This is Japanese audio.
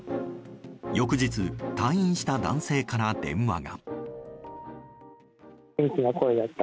翌日、退院した男性から電話が。